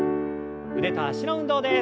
腕と脚の運動です。